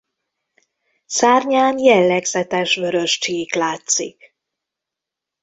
Szárnyán jellegzetes vörös csík látszik.